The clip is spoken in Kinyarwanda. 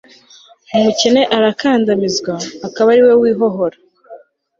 umukene arakandamizwa, akaba ari we wihohora